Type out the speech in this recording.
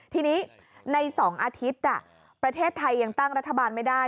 ทีนี้ใน๒อาทิตย์ประเทศไทยยังตั้งรัฐบาลไม่ได้